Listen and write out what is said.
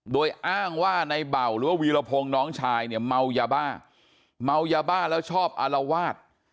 โดยอ้างว่าในเบาหรือว่าวีรพงศ์น้องชายเนี่ยเมายาบ้าเมายาบ้าแล้วชอบอารวาส